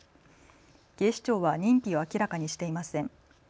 警視庁は認否を明らかにしていません。